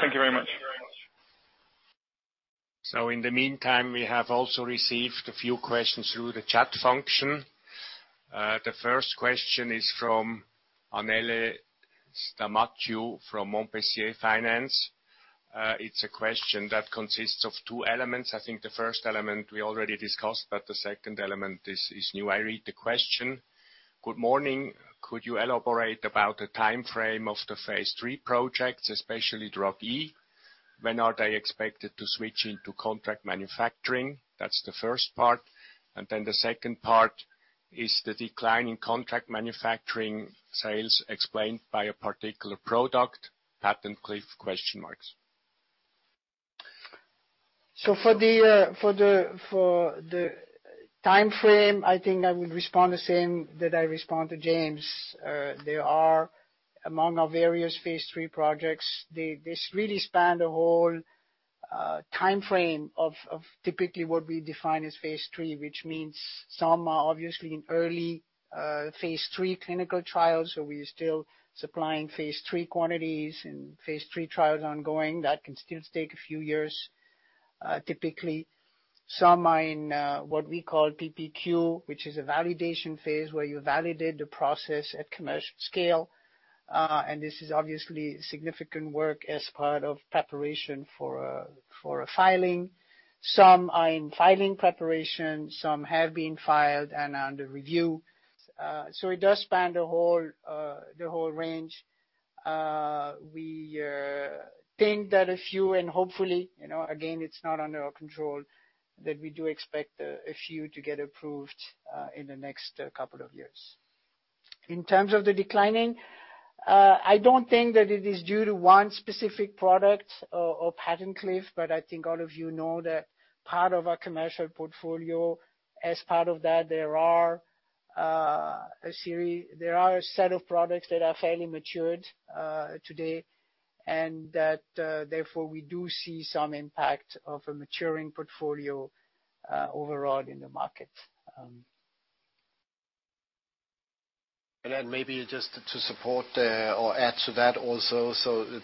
Thank you very much. In the meantime, we have also received a few questions through the chat function. The first question is from Anaëlle Stamatiou from Montpensier Finance. It's a question that consists of two elements. I think the first element we already discussed, but the second element is new. I read the question. Good morning. Could you elaborate about the timeframe of the phase III projects, especially Drug E? When are they expected to switch into contract manufacturing? That's the first part. The second part is the decline in contract manufacturing sales explained by a particular product? Patent cliff? Question marks. For the timeframe, I think I would respond the same that I respond to James. There are, among our various phase III projects, this really spans the whole timeframe of typically what we define as phase III, which means some are obviously in early phase III clinical trials, so we are still supplying phase III quantities and phase III trials ongoing. That can still take a few years, typically. Some are in what we call PPQ, which is a validation phase where you validate the process at commercial scale, and this is obviously significant work as part of preparation for a filing. Some are in filing preparation, some have been filed and under review. It does span the whole range. We think that a few and hopefully, you know, again, it's not under our control, that we do expect a few to get approved in the next couple of years. In terms of the declining, I don't think that it is due to one specific product or patent cliff, but I think all of you know that part of our commercial portfolio, as part of that, there are a set of products that are fairly matured today, and that, therefore, we do see some impact of a maturing portfolio overall in the market. Then maybe just to support or add to that also.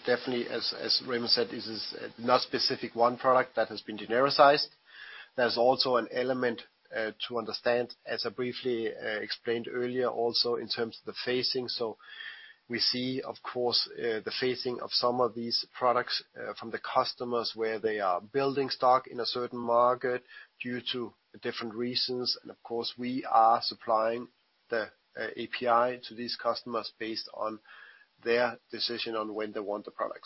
Definitely as Raymond said, this is not specific one product that has been genericized. There's also an element to understand, as I briefly explained earlier, also in terms of the phasing. We see, of course, the phasing of some of these products from the customers where they are building stock in a certain market due to different reasons. Of course, we are supplying the API to these customers based on their decision on when they want the product.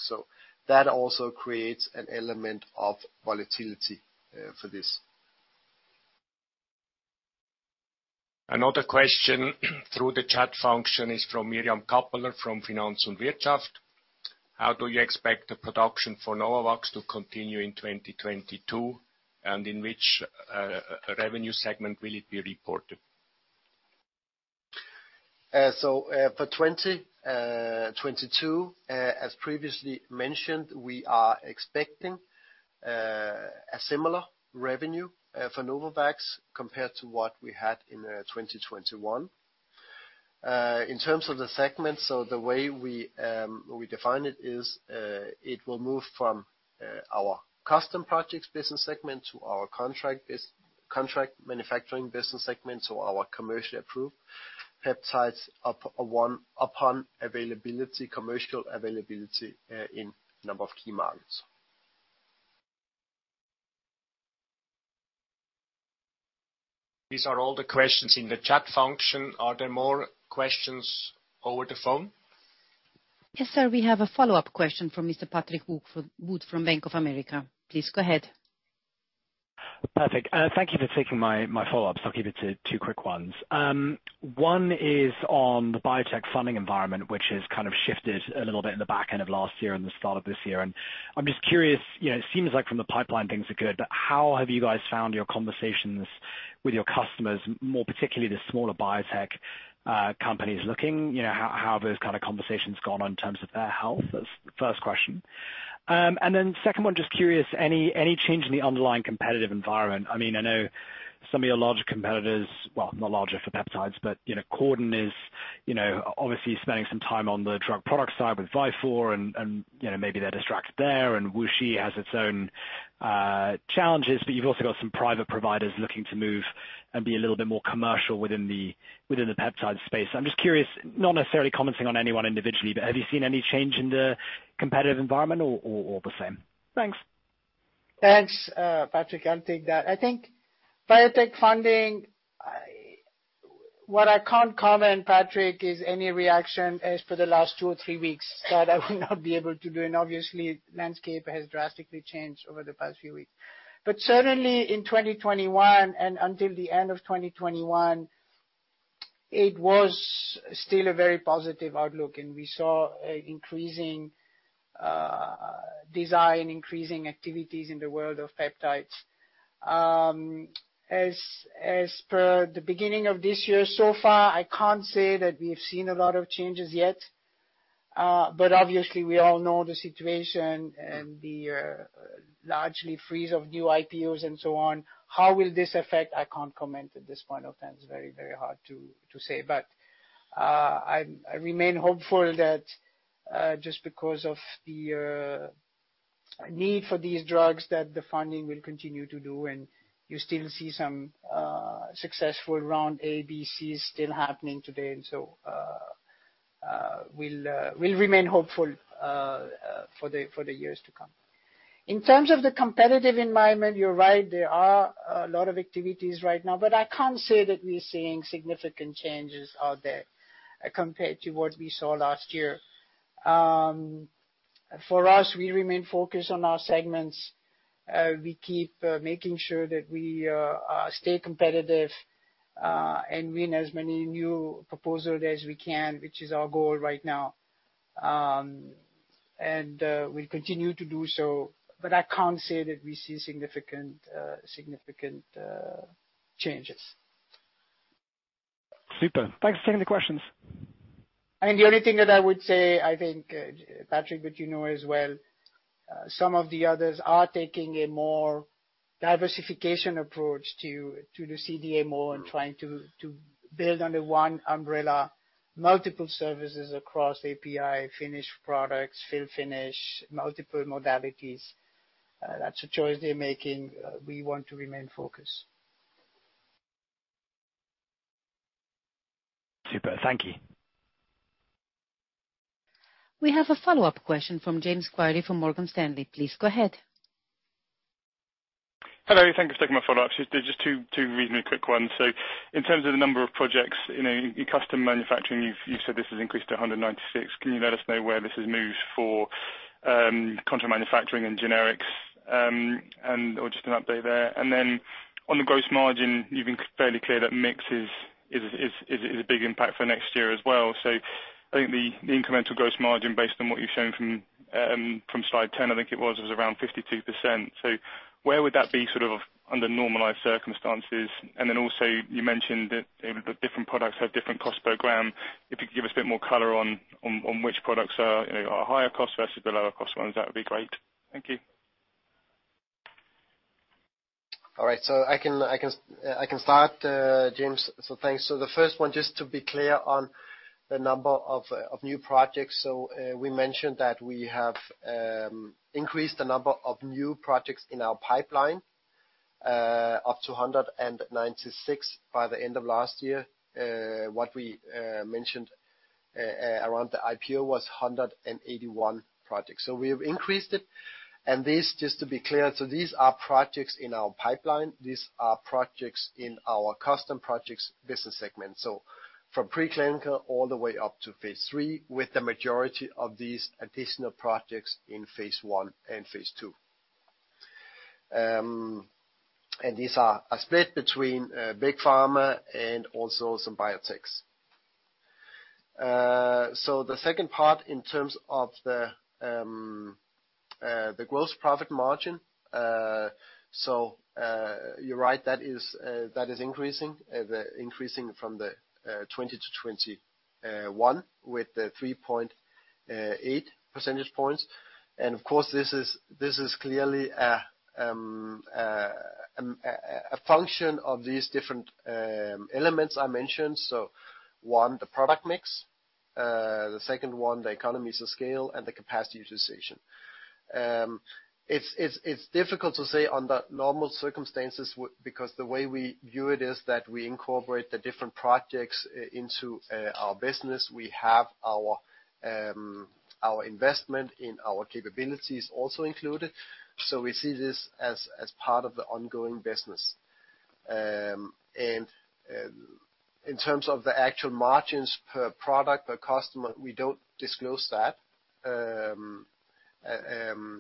That also creates an element of volatility for this. Another question through the chat function is from Miriam Kappeler from Finanz und Wirtschaft. How do you expect the production for Novavax to continue in 2022, and in which revenue segment will it be reported? For 2022, as previously mentioned, we are expecting a similar revenue for Novavax compared to what we had in 2021. In terms of the segments, the way we define it is, it will move from our custom projects business segment to our contract manufacturing business segment, our commercially approved peptides upon commercial availability in a number of key markets. These are all the questions in the chat function. Are there more questions over the phone? Yes, sir. We have a follow-up question from Mr. Patrick Wood from Bank of America. Please go ahead. Perfect. Thank you for taking my follow-ups. I'll keep it to two quick ones. One is on the biotech funding environment, which has kind of shifted a little bit in the back end of last year and the start of this year. I'm just curious, you know, it seems like from the pipeline things are good, but how have you guys found your conversations with your customers, more particularly the smaller biotech companies looking? You know, how have those kind of conversations gone on in terms of their health? That's the first question. Second one, just curious, any change in the underlying competitive environment? I mean, I know some of your larger competitors, well, not larger for peptides, but you know, Corden is, you know, obviously spending some time on the drug product side with Viatris and, you know, maybe they're distracted there, and WuXi has its own challenges. But you've also got some private providers looking to move and be a little bit more commercial within the peptide space. I'm just curious, not necessarily commenting on anyone individually, but have you seen any change in the competitive environment or the same? Thanks. Thanks, Patrick. I'll take that. I think biotech funding. What I can't comment, Patrick, is any reaction as for the last 2 or 3 weeks. That I will not be able to do. Obviously, landscape has drastically changed over the past few weeks. Certainly, in 2021 and until the end of 2021, it was still a very positive outlook, and we saw an increasing demand, increasing activities in the world of peptides. As per the beginning of this year so far, I can't say that we have seen a lot of changes yet. But obviously we all know the situation and the large freeze of new IPOs and so on. How will this affect? I can't comment at this point in time. It's very, very hard to say. I remain hopeful that just because of the need for these drugs, that the funding will continue to do, and you still see some successful round A, B, Cs still happening today. We'll remain hopeful for the years to come. In terms of the competitive environment, you're right, there are a lot of activities right now, but I can't say that we're seeing significant changes out there compared to what we saw last year. For us, we remain focused on our segments. We keep making sure that we stay competitive and win as many new proposals as we can, which is our goal right now. We continue to do so, but I can't say that we see significant changes. Super. Thanks for taking the questions. The only thing that I would say, I think, Patrick, but you know as well, some of the others are taking a more diversification approach to the CDMO and trying to build under one umbrella, multiple services across API, finished products, fill finish, multiple modalities. That's a choice they're making. We want to remain focused. Super. Thank you. We have a follow-up question from James Queeney from Morgan Stanley. Please go ahead. Hello. Thank you for taking my follow-up. Just two reasonably quick ones. In terms of the number of projects, you know, in customer manufacturing, you've said this has increased to 196. Can you let us know where this has moved for contract manufacturing and generics, and/or just an update there? And then on the gross margin, you've been fairly clear that mix is a big impact for next year as well. I think the incremental gross margin, based on what you've shown from slide 10, I think it was around 52%. Where would that be sort of under normalized circumstances? And then also you mentioned that the different products have different cost per gram. If you could give us a bit more color on which products are, you know, higher cost versus the lower cost ones, that would be great. Thank you. All right. I can start, James. Thanks. The first one, just to be clear on the number of new projects. We mentioned that we have increased the number of new projects in our pipeline up to 196 by the end of last year. What we mentioned around the IPO was 181 projects. We have increased it. This, just to be clear, these are projects in our pipeline. These are projects in our custom projects business segment. From preclinical all the way up to phase III, with the majority of these additional projects in phase I and phase II. These are split between big pharma and also some biotechs. The second part in terms of the gross profit margin, you're right, that is increasing. The increase from 2020 to 2021 with the 3.8 percentage points. Of course, this is clearly a function of these different elements I mentioned. One, the product mix, the second one, the economies of scale and the capacity utilization. It's difficult to say under normal circumstances because the way we view it is that we incorporate the different projects into our business. We have our investment in our capabilities also included. We see this as part of the ongoing business. In terms of the actual margins per product, per customer, we don't disclose that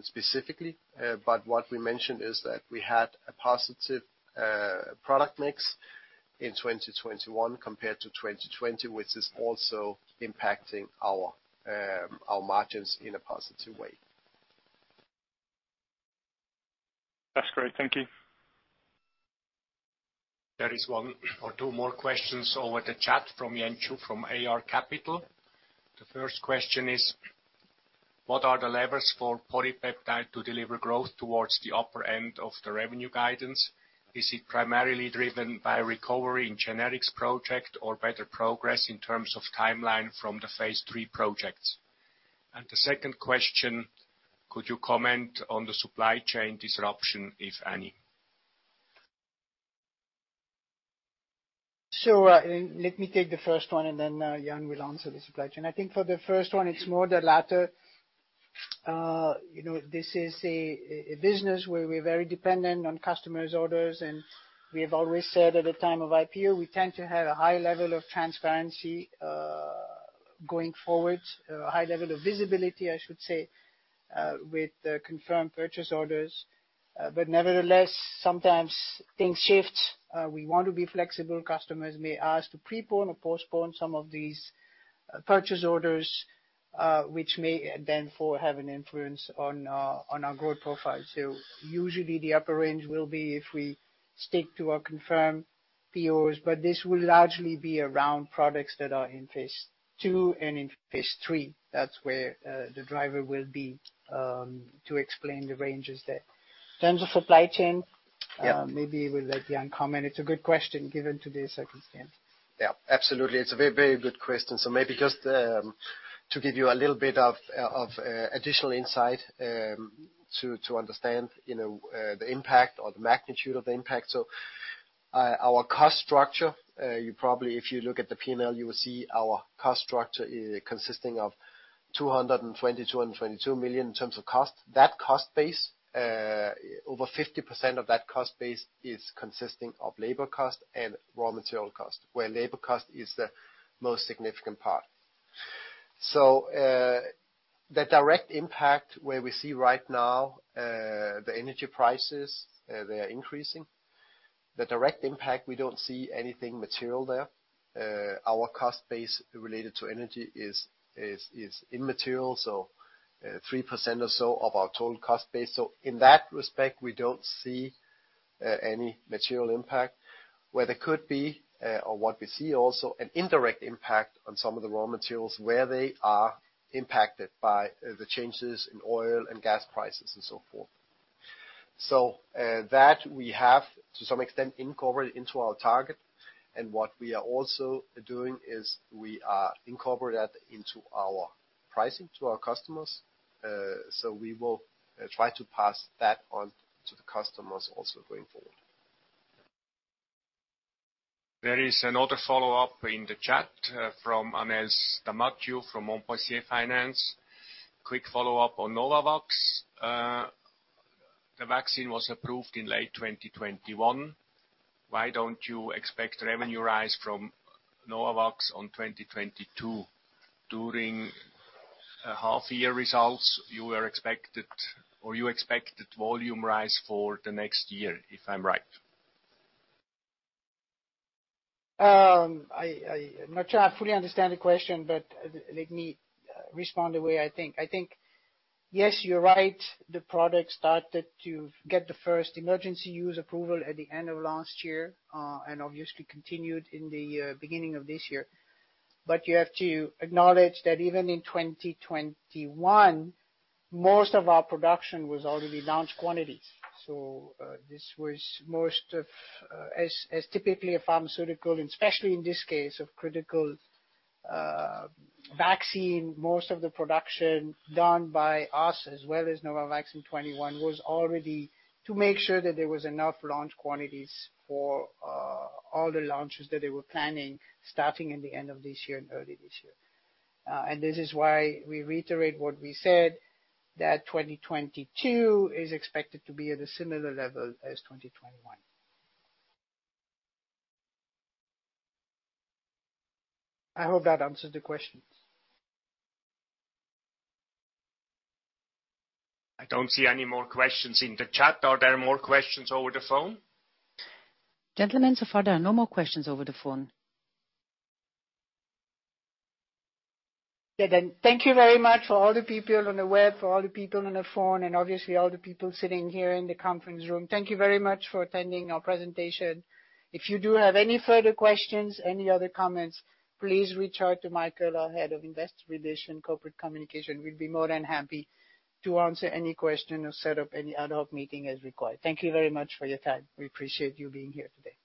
specifically. What we mentioned is that we had a positive product mix in 2021 compared to 2020, which is also impacting our margins in a positive way. That's great. Thank you. There is one or two more questions over the chat from Yen Chu, from AR Capital. The first question is: What are the levers for PolyPeptide to deliver growth towards the upper end of the revenue guidance? Is it primarily driven by recovery in generics project or better progress in terms of timeline from the phase III projects? The second question: Could you comment on the supply chain disruption, if any? Let me take the first one, and then Jan will answer the supply chain. I think for the first one, it's more the latter. You know, this is a business where we're very dependent on customers' orders, and we have always said at the time of IPO, we tend to have a high level of transparency going forward. A high level of visibility, I should say, with the confirmed purchase orders. But nevertheless, sometimes things shift. We want to be flexible. Customers may ask to pre-pone or postpone some of these purchase orders, which may therefore have an influence on our growth profile. Usually the upper range will be if we stick to our confirmed POs, but this will largely be around products that are in phase II and in phase III. That's where the driver will be to explain the ranges there. In terms of supply chain. Yeah. Maybe we'll let Jan comment. It's a good question given today's circumstance. Yeah, absolutely. It's a very, very good question. Maybe just to give you a little bit of additional insight to understand, you know, the impact or the magnitude of the impact. Our cost structure, you probably, if you look at the P&L, you will see our cost structure, consisting of 222 million in terms of cost. That cost base, over 50% of that cost base is consisting of labor cost and raw material cost, where labor cost is the most significant part. The direct impact where we see right now, the energy prices, they are increasing. The direct impact, we don't see anything material there. Our cost base related to energy is immaterial, so 3% or so of our total cost base. In that respect, we don't see any material impact. Where there could be or what we see also an indirect impact on some of the raw materials where they are impacted by the changes in oil and gas prices and so forth. That we have to some extent incorporated into our target. What we are also doing is we are incorporate that into our pricing to our customers. We will try to pass that on to the customers also going forward. There is another follow-up in the chat from Anaëlle Stamatiou from Montpensier Finance. Quick follow-up on Novavax. The vaccine was approved in late 2021. Why don't you expect revenue rise from Novavax in 2022? During half-year results, you were expected or you expected volume rise for the next year, if I'm right. I'm not sure I fully understand the question, but let me respond the way I think. I think, yes, you're right. The product started to get the first emergency use approval at the end of last year, and obviously continued in the beginning of this year. You have to acknowledge that even in 2021, most of our production was already launched quantities. This was, as typically a pharmaceutical, especially in this case of critical vaccine, most of the production done by us as well as Novavax in 2021 was already to make sure that there was enough launch quantities for all the launches that they were planning, starting in the end of this year and early this year. This is why we reiterate what we said, that 2022 is expected to be at a similar level as 2021. I hope that answers the question. I don't see any more questions in the chat. Are there more questions over the phone? Gentlemen, so far there are no more questions over the phone. Okay then. Thank you very much for all the people on the web, for all the people on the phone, and obviously all the people sitting here in the conference room. Thank you very much for attending our presentation. If you do have any further questions, any other comments, please reach out to Michael, our Head of Investor Relations and Corporate Communications. We'd be more than happy to answer any question or set up any ad hoc meeting as required. Thank you very much for your time. We appreciate you being here today.